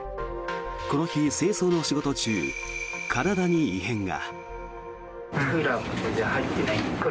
この日、清掃の仕事中体に異変が。